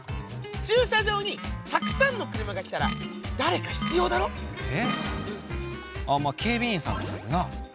駐車場にたくさんの車がきたらだれか必要だろ。え？あっまあ警備員さんとかいるな。